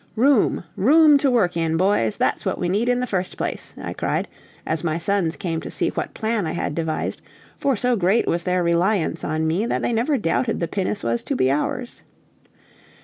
"Room! room to work in, boys! that's what we need in the first place!" I cried, as my sons came to see what plan I had devised, for so great was their reliance on me that they never doubted the pinnace was to be ours.